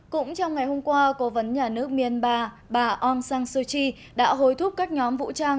cũng trong ngày hôm qua cố vấn nhà nước myanmar bà bà aung san suu kyi đã hối thúc các nhóm vũ trang